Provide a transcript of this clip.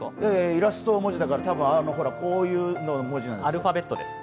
イラストを文字だからこういうの、文字なんですよ